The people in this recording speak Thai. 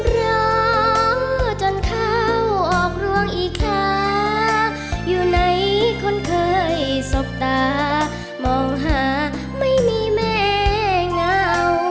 รอจนเข้าออกรวงอีค้าอยู่ในคนเคยสบตามองหาไม่มีแม่เหงา